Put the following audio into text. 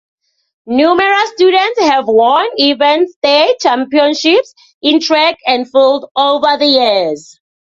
Numerous students have won event state championships in track and field over the years.